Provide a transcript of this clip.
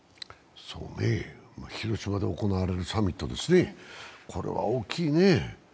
広島で行われるサミット、これは大きいねえ。